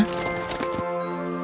mereka menemukan penguasa yang sejati